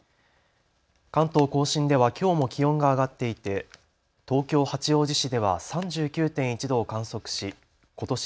関東甲信では、きょうも気温が上がっていて東京八王子市では３９．１度を観測しことし